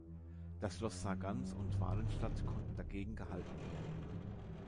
Das Schloss Sargans und Walenstadt konnten dagegen gehalten werden.